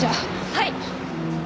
はい！